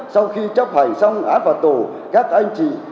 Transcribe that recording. sau khi chấp hành xong án phạt tù các anh chị